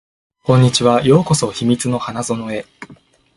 こんにちは。ようこそ秘密の花園へ